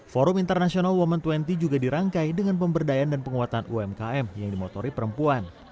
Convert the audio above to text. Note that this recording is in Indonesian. forum internasional women dua puluh juga dirangkai dengan pemberdayaan dan penguatan umkm yang dimotori perempuan